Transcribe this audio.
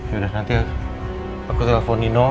yaudah nanti aku telepon nino